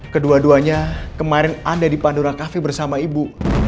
kedua duanya kemarin ada di pandora kafe bersama ibu